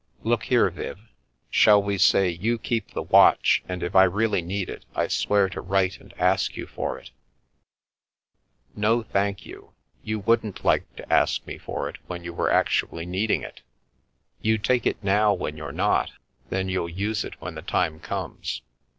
Look here, Viv, shall we say you keep the watch, and if I really need it, I swear to write and ask you for it" "No, thank you. You wouldn't like to ask me for it when you were actually needing it You take it now when you're not, then you'll use it when the time comes.